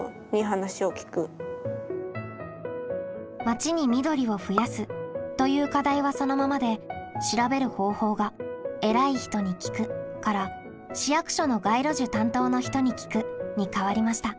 「町に緑を増やす」という課題はそのままで調べる方法が「えらい人に聞く」から「市役所の街路樹担当の人に聞く」に変わりました。